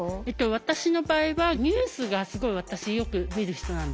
私の場合はニュースがすごい私よく見る人なんです。